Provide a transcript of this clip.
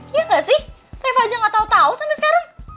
iya gak sih reva aja gak tau tau sampai sekarang